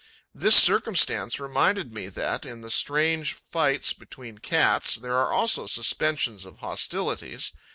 This circumstance reminded me that, in the strange fights between cats, there are also suspensions of hostilities.